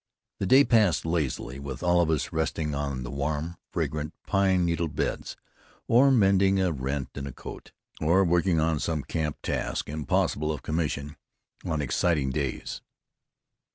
The day passed lazily, with all of us resting on the warm, fragrant pine needle beds, or mending a rent in a coat, or working on some camp task impossible of commission on exciting days.